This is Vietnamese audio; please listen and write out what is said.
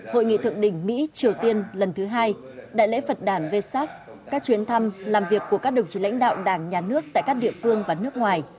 hội nghị thượng đỉnh mỹ triều tiên lần thứ hai đại lễ phật đàn v sac các chuyến thăm làm việc của các đồng chí lãnh đạo đảng nhà nước tại các địa phương và nước ngoài